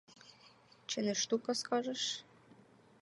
Чи не штука, скажеш?